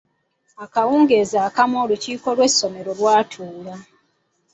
Akawungeezi akamu olukiiko lw'essomero lwatuula.